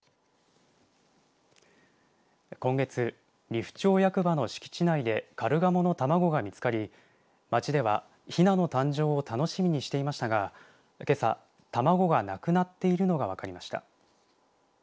利府町役場の敷地内でカルガモの卵が見つかり町ではひなの誕生を楽しみにしていましたがけさ卵がなくなっているのが分かりました。